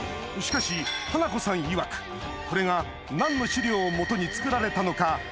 しかし華子さんいわくこれが何の資料を基に作られたのか